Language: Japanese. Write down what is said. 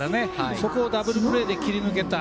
そこをダブルプレーで切り抜けた。